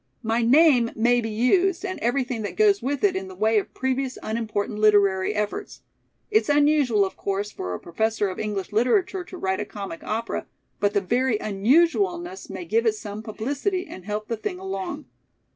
My name may be used and everything that goes with it in the way of previous unimportant literary efforts. It's unusual, of course, for a Professor of English Literature to write a comic opera, but the very unusualness may give it some publicity and help the thing along.